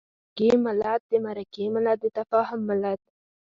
د جرګې ملت، د مرکې ملت، د تفاهم ملت.